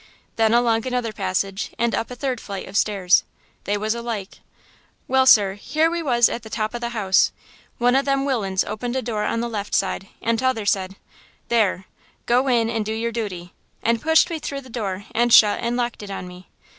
Then along another passage and up a third flight of stairs. They was alike. "Well, sir, here we was at the top o' the house. One o' them willains opened a door on the left side, and t'other said: "'There–go in and do your duty!' and pushed me through the door and shut and locked it on me.